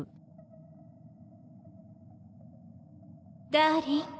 ダーリン